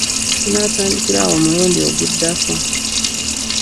Tunatandikira awo omulundi oguddako .